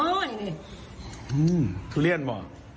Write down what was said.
พ้นทุเรียนเหอะ